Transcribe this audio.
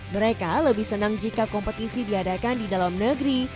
mereka lebih senang jika kompetisi diadakan di dalam negeri